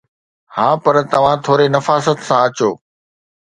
ها، پر توهان ٿوري نفاست سان اچو